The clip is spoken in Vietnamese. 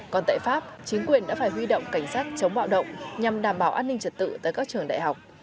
còn tại pháp chính quyền đã phải huy động cảnh sát chống bạo động nhằm đảm bảo an ninh trật tự tại các trường đại học